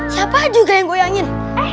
siapa juga yang goyangin